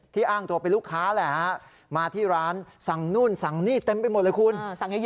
อ้างตัวเป็นลูกค้าแหละฮะมาที่ร้านสั่งนู่นสั่งนี่เต็มไปหมดเลยคุณ